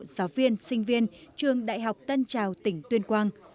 giáo viên sinh viên trường đại học tân trào tỉnh tuyên quang